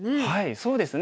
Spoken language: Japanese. そうですね